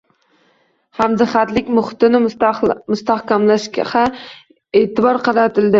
Hamjihatlik muhitini mustahkamlashha e'tibor qaratiladi.